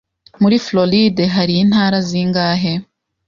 Muri Floride hari intara zingahe?